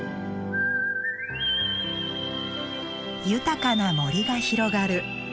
豊かな森が広がる